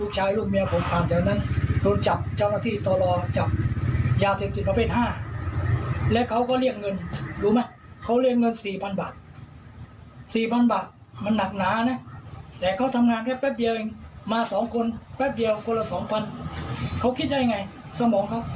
ตำรวจจับคนละ๒๐๐๐เขาคิดได้ไงสมองเขา